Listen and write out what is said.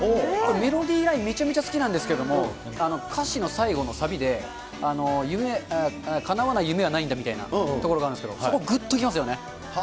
メロディーライン、めちゃめちゃ好きなんですけれども、歌詞の最後のサビで、かなわない夢はないんだみたいなところがあるんですけど、そこ、ぐっときますよね。